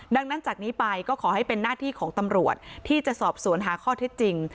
ดังนั้นจากนี้ไปก็ขอให้เป็นหน้าที่ของตำรวจที่จะสอบสวนหาข้อเท็จจริง